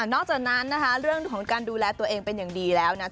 นอกจากนั้นนะคะเรื่องของการดูแลตัวเองเป็นอย่างดีแล้วนะ